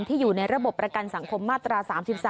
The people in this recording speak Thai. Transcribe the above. อยู่ในระบบประกันสังคมมาตรา๓๓